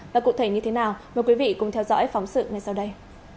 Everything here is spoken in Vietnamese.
và cụ thể như thế nào mời quý vị cùng theo dõi phóng sự ngay sau đây